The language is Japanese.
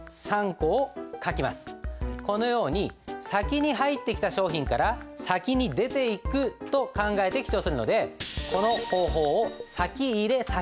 このように先に入ってきた商品から先に出ていくと考えて記帳するのでこの方法を先入先出法といいます。